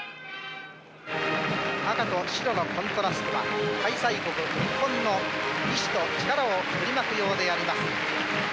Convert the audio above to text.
赤と白のコントラストが開催国日本の意志と力を振りまくようであります。